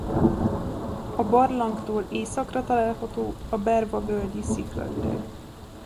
A barlangtól északra található a Bervavölgyi-sziklaüreg.